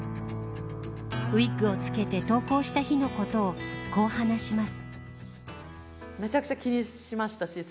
ウィッグを着けて登校した日のことをこう話します。